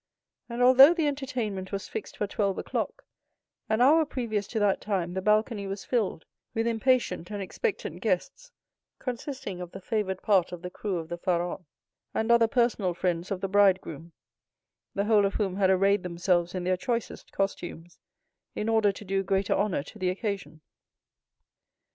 And although the entertainment was fixed for twelve o'clock, an hour previous to that time the balcony was filled with impatient and expectant guests, consisting of the favored part of the crew of the Pharaon, and other personal friends of the bridegroom, the whole of whom had arrayed themselves in their choicest costumes, in order to do greater honor to the occasion.